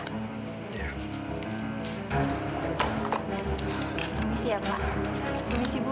demi siap pak demi siap bu